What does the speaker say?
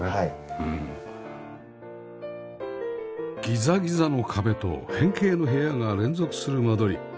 ギザギザの壁と変形の部屋が連続する間取り